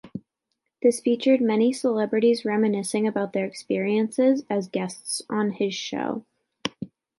This featured many celebrities reminiscing about their experiences as guests on his show.